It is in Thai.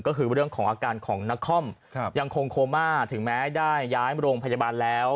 ก็คือเรื่องของอาการของนครยังคงโคม่าถึงแม้ได้ย้ายโรงพยาบาลแล้ว